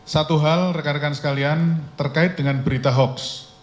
satu hal rekan rekan sekalian terkait dengan berita hoax